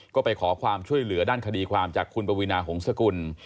ก็ไปขอความช่วยเหลือด้านคดีความจากคุณปวีนาหงษกุล